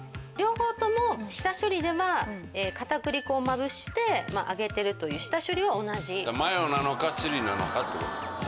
両方とも下処理では片栗粉をまぶして揚げてるという下処理は同じ。